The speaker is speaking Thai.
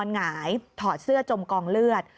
หงายถอดเสื้อจมกองเลือด